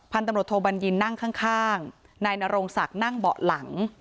พันธุ์ตำลดโทบัญญิณนั่งข้างข้างนายนโรงศักดิ์นั่งเบาะหลัง